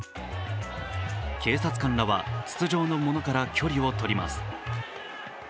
警察官らは筒状の物から距離を取ります。